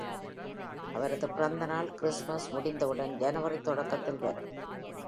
அவரது பிறந்த நாள் கிறிஸ்துமஸ் முடிந்தவுடன், ஜனவரி தொடக்கத்தில் வரும்.